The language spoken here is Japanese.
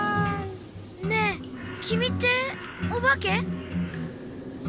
「ねえ、君っておばけ？」